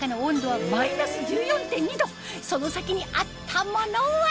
その先にあったものは？